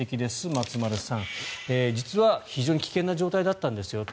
松丸さん実は非常に危険な状態だったんですよと。